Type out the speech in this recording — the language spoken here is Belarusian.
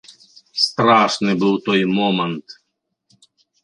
Страшны быў той момант!